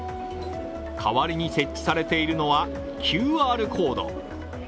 代わりに設置されているのは、ＱＲコード。